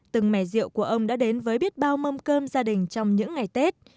từng mẻ rượu của ông đã đến với biết bao mâm cơm gia đình trong những ngày tết